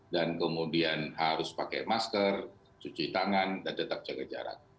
dan kemudian harus pakai masker cuci tangan dan tetap jaga jarak